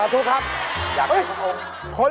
อยากกลับทุกโครง